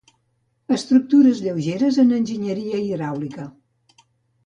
Estructures lleugeres en enginyeria hidràulica.